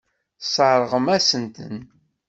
Tesseṛɣem-asen-ten.